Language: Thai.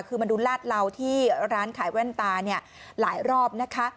คือมันดูลาดเหลาที่ร้านขายแว่นตาเนี่ยหลายรอบนะคะ